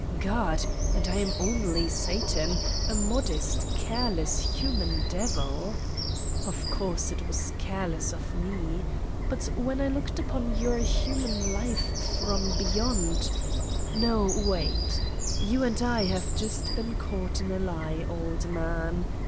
God! And I am only Satan, a modest, careless, human Devil! Of course, it was careless of me. But when I looked upon your human life from beyond ... no, wait : You and I have just been caught in a lie, old man!